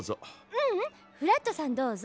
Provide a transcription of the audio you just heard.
ううんフラットさんどうぞ。